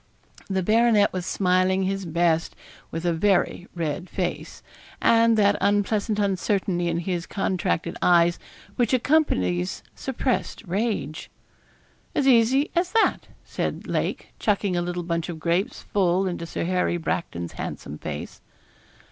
The baronet was smiling his best, with a very red face, and that unpleasant uncertainty in his contracted eyes which accompanies suppressed rage. 'As easy as that,' said Lake, chucking a little bunch of grapes full into Sir Harry Bracton's handsome face.